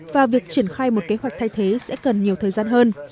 và việc triển khai một kế hoạch thay thế sẽ cần nhiều thời gian hơn